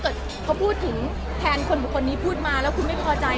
เกิดเขาพูดถึงแทนคนบุคคลนี้พูดมาแล้วคุณไม่พอใจ